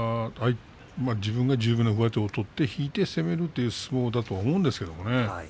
自分が十分な上手を引いて攻めていくという相撲だと思うんですよね。